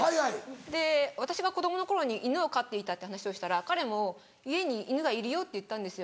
で私が子供の頃に犬を飼っていたって話をしたら彼も家に犬がいるよって言ったんですよ。